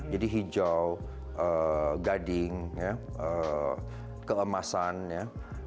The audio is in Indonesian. jadi hijau gading keemasan ya